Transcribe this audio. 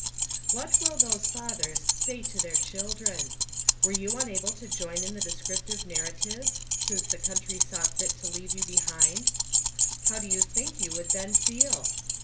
What will those fathers say to their children? Were you unable to join in the descriptive narratives — since the country saw fit to 'leave you behind — how do you think you would then feel?